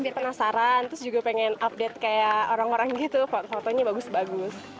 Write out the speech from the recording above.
biar penasaran terus juga pengen update kayak orang orang gitu fotonya bagus bagus